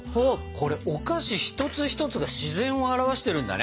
これお菓子一つ一つが自然を表してるんだね。